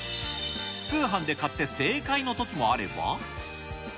通販で買って正解のときもあれば。